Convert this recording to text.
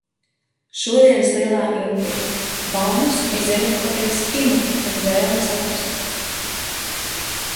Šodienas lielā intriga – baumas par Ziemeļkorejas Kimu un vēlme saprast.